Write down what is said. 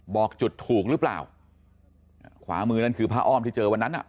บอกจุดถูกหรือเปล่าขวามือนั่นคือผ้าอ้อมที่เจอวันนั้นอ่ะ